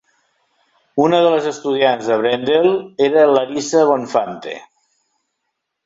Una de les estudiants de Brendel era Larissa Bonfante.